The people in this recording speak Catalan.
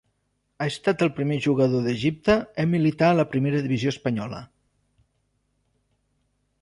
Ha estat el primer jugador d'Egipte en militar a la primera divisió espanyola.